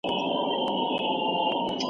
ښوونکی وایي چې وخت ډېر مهم دی.